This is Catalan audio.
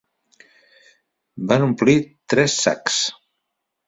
Van omplir tres sacs.